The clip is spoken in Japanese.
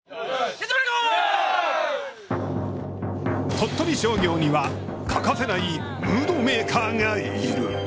鳥取商業には欠かせないムードメーカーがいる。